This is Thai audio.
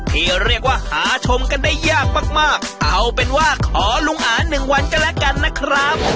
ที่เรียกว่าหาชมกันได้ยากมากมากเอาเป็นว่าขอลุงอาหนึ่งวันก็แล้วกันนะครับ